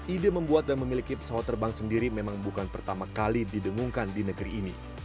ide membuat dan memiliki pesawat terbang sendiri memang bukan pertama kali didengungkan di negeri ini